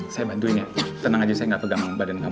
saya bantuinnya tenang aja saya gak pegang badan kamu